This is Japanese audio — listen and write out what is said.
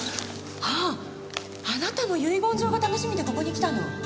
あああなたも遺言状が楽しみでここに来たの？